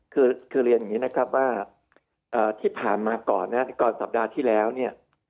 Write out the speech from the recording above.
คือเรียนอย่างนี้นะครับว่าที่ผ่านมาก่อนนะก่อนสัปดาห์ที่แล้วเนี่ย